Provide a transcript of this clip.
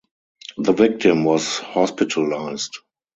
The victim was hospitalized.